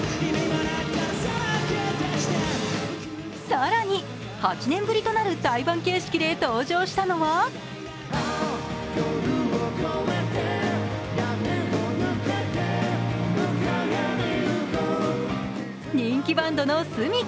更に、８年ぶりとなる対バン形式で登場したのは人気バンドのｓｕｍｉｋａ。